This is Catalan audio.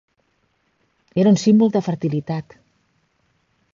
Era un símbol de fertilitat.